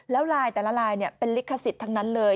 แล้วลายแต่ละลายเป็นลิขสิทธิ์ทั้งนั้นเลย